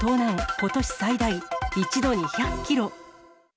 ことし最大、一度に１００キロ。